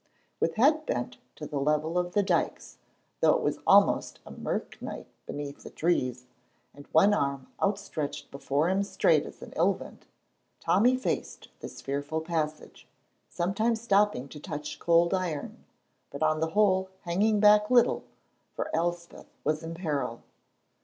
With head bent to the level of the dykes, though it was almost a mirk night beneath the trees, and one arm outstretched before him straight as an elvint, Tommy faced this fearful passage, sometimes stopping to touch cold iron, but on the whole hanging back little, for Elspeth was in peril.